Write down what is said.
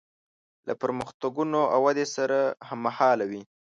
له پرمختګونو او ودې سره هممهاله وي.